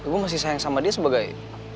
gue masih sayang sama dia sebagai